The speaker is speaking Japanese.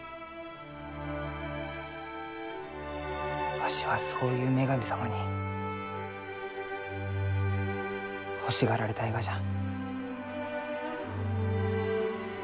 わしはそういう女神様に欲しがられたいがじゃ。